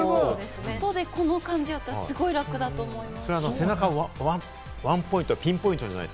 外でこの感じやったら、すごい楽やと思います。